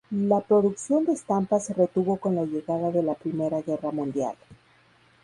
La producción de estampas se retuvo con la llegada de la Primera Guerra Mundial.